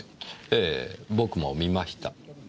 ええ僕も見ました。